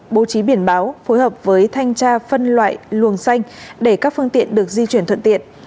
bố trí biển báo phối hợp với thanh tra phân loại luồng xanh để các phương tiện được di chuyển thuận tiện